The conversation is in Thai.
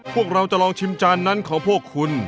พวกเราจะลองชิมจานนั้นของพวกคุณ